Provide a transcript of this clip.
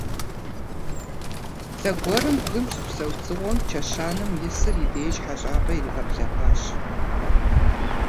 Зэгуэрым бгым щыпсэу дзыгъуэм чэщанэм исыр и деж хьэщӀапӀэ иригъэблэгъащ.